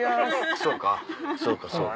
そうかそうかそうか。